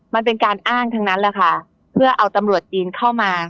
มันเป็นการอ้างทั้งนั้นแหละค่ะเพื่อเอาตำรวจจีนเข้ามา